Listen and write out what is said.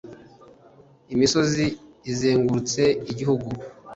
imisozi izengurutse igihugu.